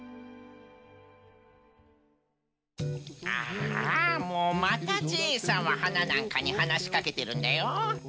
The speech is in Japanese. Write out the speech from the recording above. ああもうまたジェイさんははななんかにはなしかけてるんだよ。